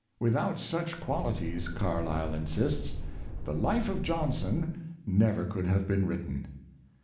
Without such qualities, Carlyle insists, the " Life of Johnson" never could have been written.